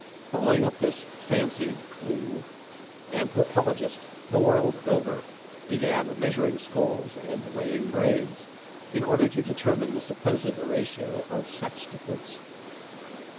Following up this fancied clew, anthropologists the world over began measuring skulls and weighing brains in order to determine the supposed ratio of sex difference.